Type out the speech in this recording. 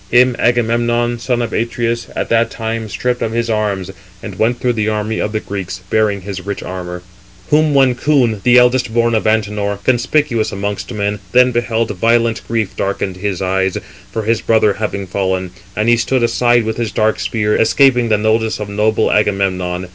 Him Agamemnon, son of Atreus, at that time stripped [of his arms], and went through the army of the Greeks, bearing his rich armour. Whom when Coon, 371 the eldest born of Antenor, conspicuous amongst men, then beheld, violent grief darkened his eyes, for his brother having fallen, and he stood aside with his spear, escaping the notice of noble Agamemnon.